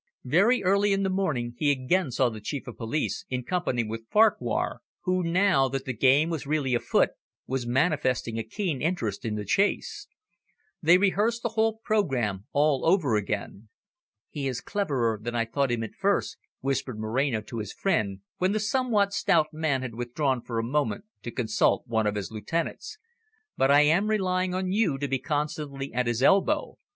Very early in the morning he again saw the Chief of Police, in company with Farquhar, who, now that the game was really afoot, was manifesting a keen interest in the chase. They rehearsed the whole programme all over again. "He is cleverer than I thought him at first," whispered Moreno to his friend, when the somewhat stout man had withdrawn for a moment to consult one of his lieutenants. "But I am relying on you to be constantly at his elbow.